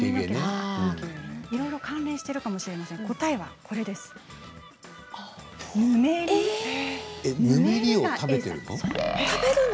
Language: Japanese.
いろいろ関連しているかもしれませんぬめりを食べているの？